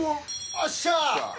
よっしゃ！